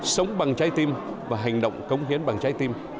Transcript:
sống bằng trái tim và hành động cống hiến bằng trái tim